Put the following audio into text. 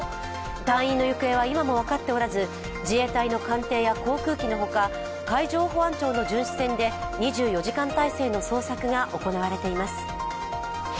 隊員の行方は今も分かっておらず、自衛隊の艦艇や航空機のほか海上保安庁の巡視船で２４時間態勢の捜索が行われています。